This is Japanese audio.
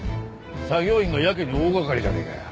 作業員がやけに大がかりじゃねえかよ。